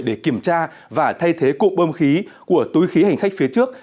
để kiểm tra và thay thế cụm bơm khí của túi khí hành khách phía trước